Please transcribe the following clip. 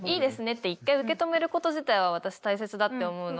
って一回受け止めること自体は私大切だって思うの。